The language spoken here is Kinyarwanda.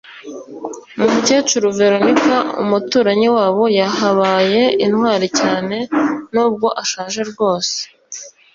umukecuru veronika; umuturanyi wabo yahabaye intwari cyane n'ubwo ashaje bwose